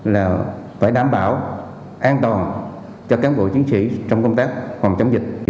là phải đảm bảo an toàn cho cán bộ chiến sĩ trong công tác phòng chống dịch